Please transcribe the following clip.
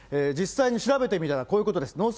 実際に調べてみたら、こういうことです。